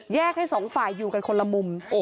ให้สองฝ่ายอยู่กันคนละมุม